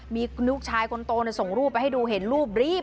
มีลูกชายคนโตส่งรูปไปให้ดูเห็นรูปรีบ